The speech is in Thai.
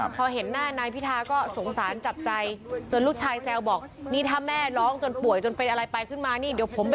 พอเห็นหน้านายพิทาก็สงสารจับใจ